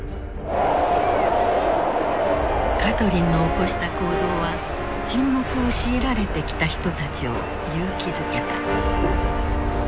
カトリンの起こした行動は沈黙を強いられてきた人たちを勇気づけた。